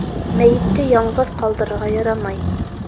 Мәйетте яңғыҙ ҡалдырырға ярамай.